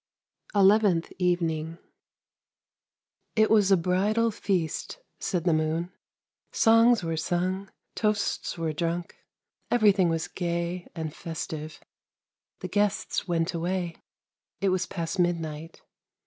" ELEVENTH EVENING " It was a bridal feast! " said the moon. " Songs were sung, toasts were drunk, everything was gay and festive. The guests went away; it was past midnight.